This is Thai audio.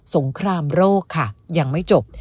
งครามโรคค่ะยังไม่จบ